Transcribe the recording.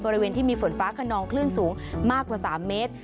บริเวณที่มีฝนฟ้าขนองคลื่นสูงมากกว่า๓เมตร